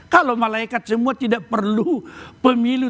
kalau malaikat semua tidak perlu pemilu